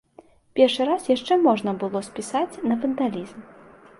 Першы раз яшчэ можна было спісаць на вандалізм.